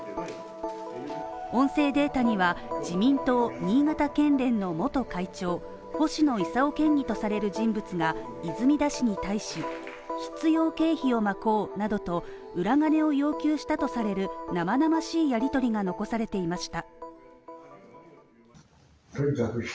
音声データには自民党新潟県連の元会長、星野伊佐夫県議とされる人物が泉田氏に対し、必要経費などと、裏金を要求したとされる生々しいやりとりが残されていました。